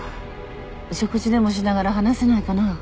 食事でもしながら話せないかな？